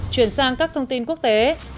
chuyển sang các thông tin quốc tế